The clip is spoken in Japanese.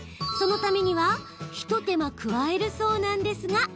そのためにはひと手間加えるそうなんですが。